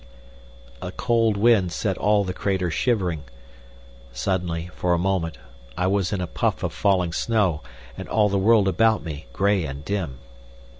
A cold wind set all the crater shivering. Suddenly, for a moment, I was in a puff of falling snow, and all the world about me grey and dim.